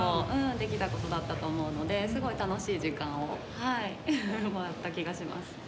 できたことだったと思うのですごい楽しい時間をはいもらった気がします。